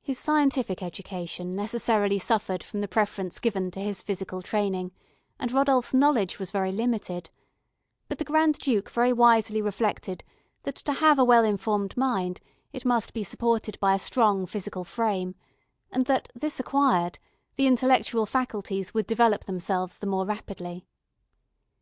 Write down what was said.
His scientific education necessarily suffered from the preference given to his physical training, and Rodolph's knowledge was very limited; but the Grand Duke very wisely reflected that, to have a well informed mind, it must be supported by a strong physical frame, and that, this acquired, the intellectual faculties would develop themselves the more rapidly.